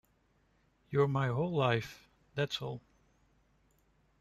You're my whole life, that's all.